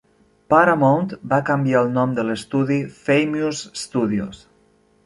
Paramount va canviar el nom de l'estudi Famous Studios.